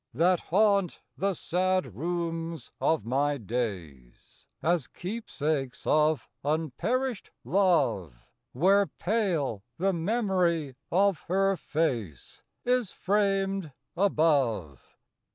That haunt the sad rooms of my days, As keepsakes of unperished love, Where pale the memory of her face Is framed above.